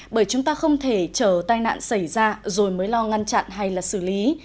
bởi chúng ta không thể chờ tai nạn xảy ra rồi mới lo ngăn chặn hay là xử lý